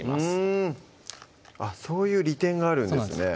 うんそういう利点があるんですね